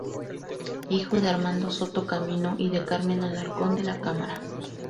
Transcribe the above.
Hijo de Armando Soto Camino y de Carmen Alarcón de la Cámara.